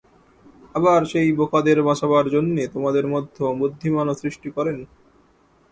আবার সেই বোকাদের বাঁচাবার জন্যে তোমাদের মতো বুদ্ধিমানও সৃষ্টি করেন।